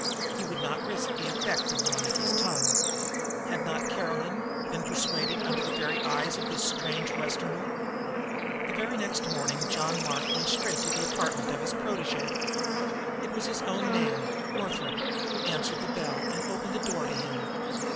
He would not risk the effect of Ronicky's tongue. Had not Caroline been persuaded under his very eyes by this strange Westerner? Very early the next morning John Mark went straight to the apartment of his protégé. It was his own man, Northup, who answered the bell and opened the door to him.